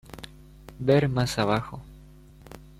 Ver más abajo.